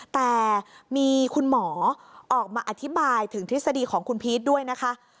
แต่มีคุณหมอออกมาอธิบายถึงทฤษฎีของคุณพีชด้วยนะคะ